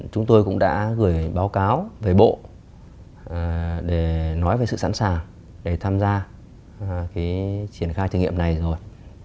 chúng tôi cũng đã gửi báo cáo về bộ để nói về sự sẵn sàng để tham gia triển khai thử nghiệm này rồi